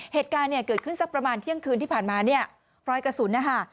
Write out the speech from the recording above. เหตุการณ์เนี่ยเกิดขึ้นสักประมาณเที่ยงคืนที่ผ่านมาเนี่ยรอยกระสุนนะคะ